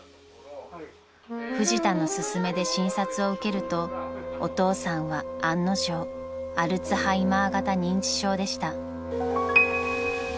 ［フジタの勧めで診察を受けるとお父さんは案の定アルツハイマー型認知症でした］